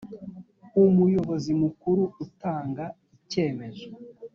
umuyobozi mukuru atanga icyemezo